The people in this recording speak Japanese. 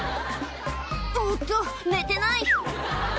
「おっと寝てない！」